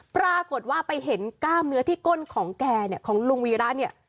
ปรากฏว่าไปเห็นกล้ามเนื้อที่ก้นของแกเนี่ยของลุงวีระเนี่ย